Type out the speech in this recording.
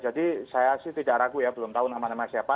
jadi saya sih tidak ragu ya belum tahu nama nama siapa